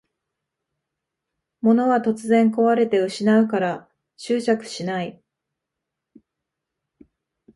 物は突然こわれて失うから執着しない